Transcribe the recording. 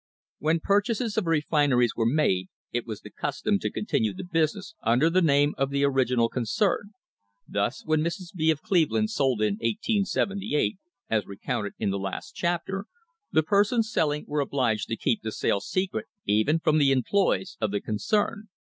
When purchases of refineries were made it was the custom to continue the business under the name of the original concern; thus, when Mrs. B., of Cleveland, sold in 1878, as THE HISTORY OF THE STANDARD OIL COMPANY recounted in the last chapter, the persons selling were obliged to keep the sale secret even from the employees of the con cern.